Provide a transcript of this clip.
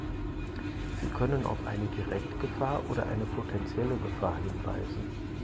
Sie können auf eine direkt Gefahr oder eine potenzielle Gefahr hinweisen.